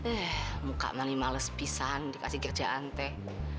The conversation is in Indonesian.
eh muka mali males pisang dikasih kerjaan teh